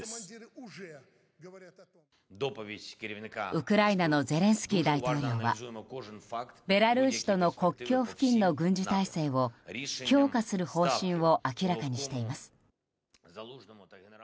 ウクライナのゼレンスキー大統領はベラルーシとの国境付近の軍事態勢を強化する方針を明らかにしています。